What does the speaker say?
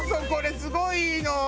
これすごいいいの！